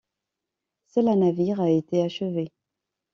Seul un navire a été achevé.